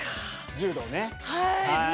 柔道ね。